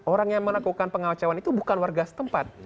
orang yang melakukan pengawas cawan itu bukan warga setempat